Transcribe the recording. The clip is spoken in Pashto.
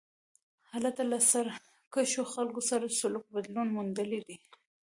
هلته له سرکښو خلکو سره سلوک بدلون موندلی دی.